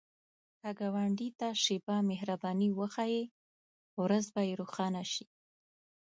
که ګاونډي ته شیبه مهرباني وښایې، ورځ به یې روښانه شي